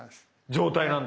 状態なんですよ。